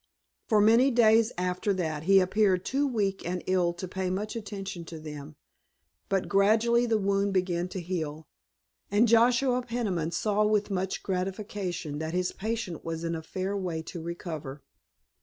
For many days after that he appeared too weak and ill to pay much attention to them, but gradually the wound began to heal, and Joshua Peniman saw with much gratification that his patient was in a fair way to recover.